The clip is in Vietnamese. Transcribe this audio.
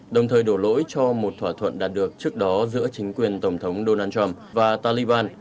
đồng thời đổ lỗi cho một thỏa thuận đạt được trước đó giữa chính quyền tổng thống donald trump và taliban